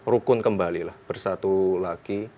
rukun kembalilah bersatu lagi